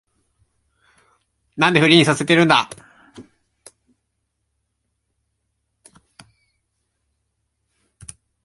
なんでフリーにさせてるんだ